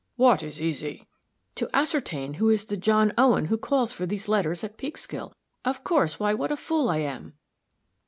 "What is easy?" "To ascertain who is the John Owen who calls for these letters at Peekskill. Of course why, what a fool I am!"